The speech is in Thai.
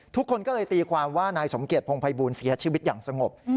ทุกคนก็เลยตีความว่านายสมเกียจพงภัยบูลเสียชีวิตอย่างสงบ